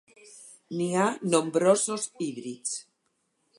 N'hi ha nombrosos híbrids.